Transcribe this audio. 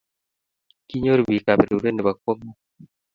Kinyor biik kaberuret nebo kwangut